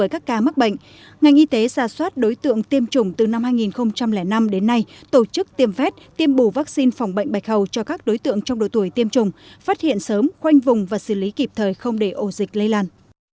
các ca bệnh này đang được điều trị tại trung tâm y tế huyện gio linh